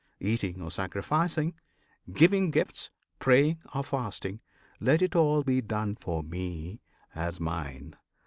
Eating or sacrificing, giving gifts, Praying or fasting, let it all be done For Me, as Mine.